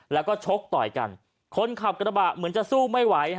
แล้วก็ชกต่อยกันคนขับกระบะเหมือนจะสู้ไม่ไหว